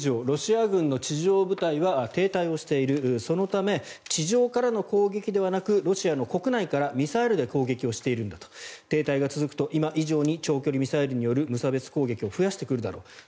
ロシア軍の地上部隊は停滞をしているそのため地上からの攻撃ではなくロシア国内からミサイルで攻撃をしているんだと停滞が続くと今以上に長距離ミサイルによる無差別攻撃を増やしてくるだろう